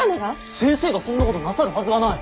先生がそんなことなさるはずがない。